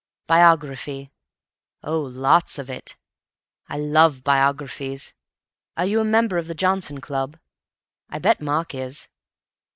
"Biography. Oh, lots of it. I love biographies. Are you a member of the Johnson Club? I bet Mark is.